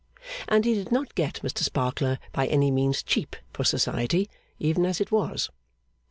And he did not get Mr Sparkler by any means cheap for Society, even as it was.